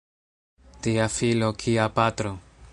Tia filo kia patro!